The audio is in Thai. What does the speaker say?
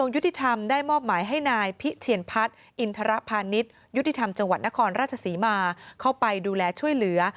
ยุติธรรมจังหวัดนครราชสีมาเข้าไปดูแลช่วยเหลือ